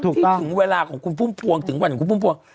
ที่ถึงเวลาของคุณพุ่มพวงถึงวันของคุณพุ่มพวง